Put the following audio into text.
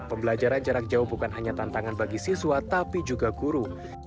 pembelajaran jarak jauh bukan hanya tantangan bagi siswa tapi juga guru